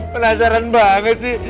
penasaran banget sih